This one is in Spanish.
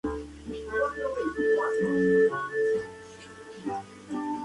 La sede del condado es Meridian.